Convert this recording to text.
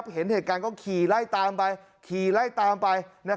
เห็นเหตุการณ์ก็เคียร์ไล่ตามไป